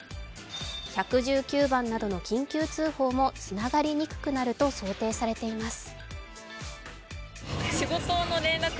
１１９番などの緊急通報もつながりにくくなると想定されています。